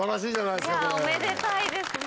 いやおめでたいですね！